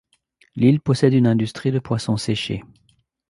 L'île possède une industrie de poisson séché.